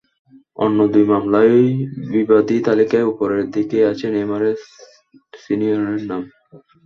অন্য দুই মামলায়ও বিবাদী তালিকায় ওপরের দিকেই আছে নেইমার সিনিয়রের নাম।